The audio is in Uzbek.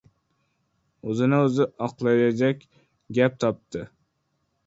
O‘zini-o‘zi oklayajak gap topdi.